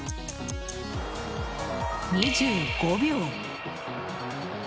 ２５秒。